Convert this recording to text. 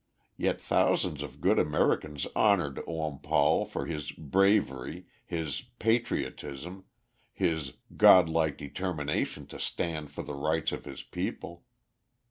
Yet thousands of good Americans honored Oom Paul for his "bravery," his "patriotism," his "god like determination to stand for the rights of his people."